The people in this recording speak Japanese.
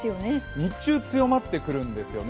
日中、強まってくるんですよね。